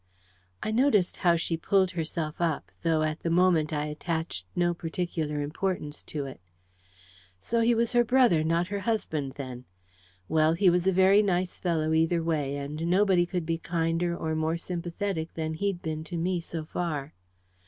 I noticed how she pulled herself up, though at the moment I attached no particular importance to it. So he was her brother, not her husband, then! Well, he was a very nice fellow, either way, and nobody could be kinder or more sympathetic than he'd been to me so far.